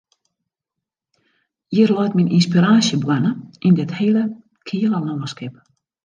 Hjir leit myn ynspiraasjeboarne, yn dit hele keale lânskip.